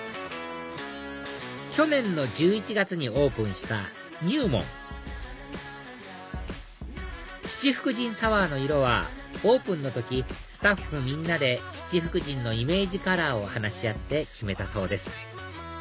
去年の１１月にオープンしたｎｅｗ−ｍｏｎ七福神サワーの色はオープンの時スタッフみんなで七福神のイメージカラーを話し合って決めたそうです